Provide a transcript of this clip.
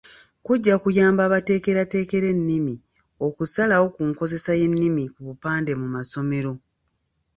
Kujja kuyamba abateekerateekera ennimi okusalawo ku nkozesa y'ennimi ku bupande mu masomero.